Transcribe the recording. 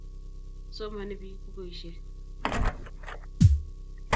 somani pik bukuishek